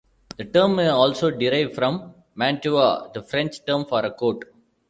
The term may also derive from "manteau", the French term for a coat.